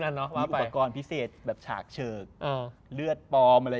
สวัสดีครับ